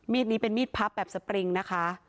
นี้เป็นมีดพับแบบสปริงนะคะ